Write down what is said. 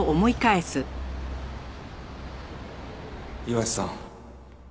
岩瀬さん。